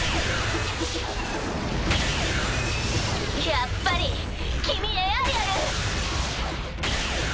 やっぱり君エアリアル。